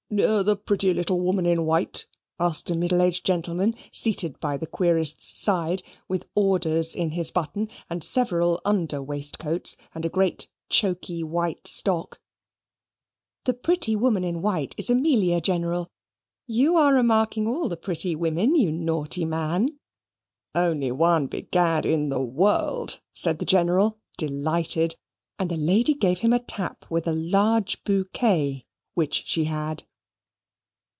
"Near the pretty little woman in white?" asked a middle aged gentleman seated by the querist's side, with orders in his button, and several under waistcoats, and a great, choky, white stock. "That pretty woman in white is Amelia, General: you are remarking all the pretty women, you naughty man." "Only one, begad, in the world!" said the General, delighted, and the lady gave him a tap with a large bouquet which she had.